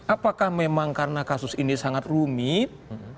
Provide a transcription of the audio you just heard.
apakah memang karena kasus ini sangat rumit